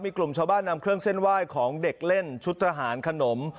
มีกลุ่มชาวบ้านนำเครื่องเส้นไหว้ของเด็กเล่นชุดทหารขนม